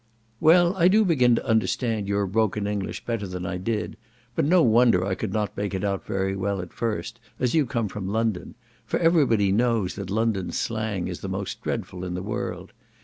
—"Well, I do begin to understand your broken English better than I did; but no wonder I could not make it out very well at first, as you come from London; for every body knows that London slang is the most dreadful in the world.